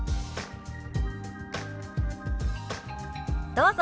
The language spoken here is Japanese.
どうぞ。